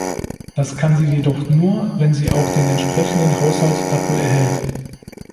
Das kann sie jedoch nur, wenn sie auch den entsprechenden Haushalt dafür erhält.